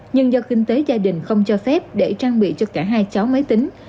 nhưng do kinh tế gia đình không cho phép để trang bị cho cả hai cháu máy tính